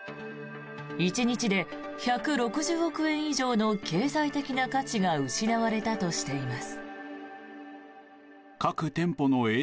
１日で１６０億円以上の経済的な価値が失われたとしています。